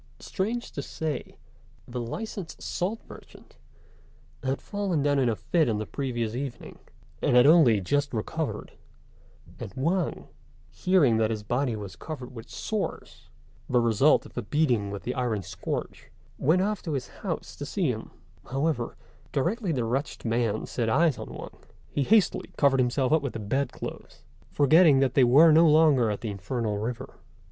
Strange to say, the licensed salt merchant had fallen down in a fit on the previous evening, and had only just recovered; and Wang, hearing that his body was covered with sores the result of the beating with the iron scourge went off to his house to see him; however, directly the wretched man set eyes on Wang, he hastily covered himself up with the bed clothes, forgetting that they were no longer at the infernal river.